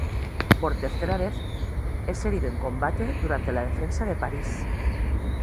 Por tercera vez, es herido en combate durante la defensa de París.